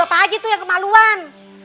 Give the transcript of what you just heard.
itu pak haji tuh yang kemaluan